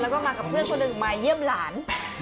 แล้วก็มากับเพื่อนคนหนึ่งมาเยี่ยมหลาน